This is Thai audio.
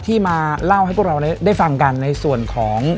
ที่มาเล่าให้พวกเราได้ฟังกันในส่วนของ